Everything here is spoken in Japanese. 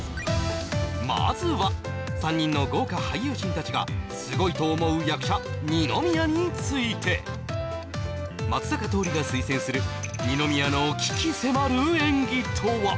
まずは３人の豪華俳優陣達がすごいと思う役者・二宮について松坂桃李が推薦する二宮の鬼気迫る演技とは？